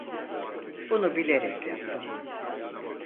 Bunu bilerek yaptın.